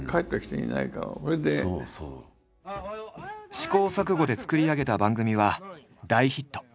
試行錯誤で作り上げた番組は大ヒット。